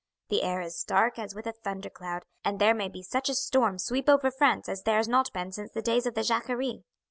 The air is dark as with a thunder cloud, and there may be such a storm sweep over France as there has not been since the days of the Jacquerie."